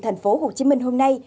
thành phố hồ chí minh hôm nay